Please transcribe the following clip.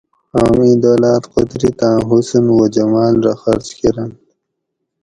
ام ایں دولاۤت قدرتاۤں حسن و جماۤل رہ خرچ کرنت